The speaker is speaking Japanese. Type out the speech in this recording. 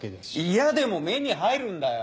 嫌でも目に入るんだよ！